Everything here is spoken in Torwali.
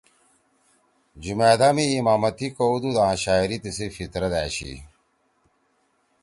جُمأدا می امامتی کؤدُود آں شاعری تیِسی فطرت أشی۔